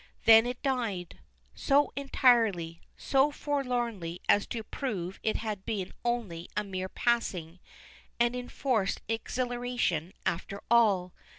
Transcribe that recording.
Then it died. So entirely, so forlornly as to prove it had been only a mere passing and enforced exhilaration after all.